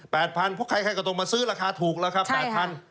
เพราะใครก็ต้องมาซื้อราคาถูกเลยครับ